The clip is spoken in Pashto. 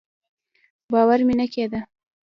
باور مې نه کېده.